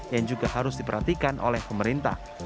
yang juga harus diperhatikan oleh pemerintah